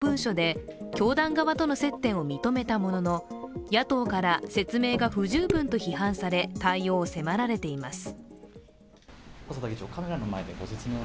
一方、衆議院の細田議長は昨日、文書で教団側との接点を認めたものの野党から説明が不十分と批判され、対応を迫られています。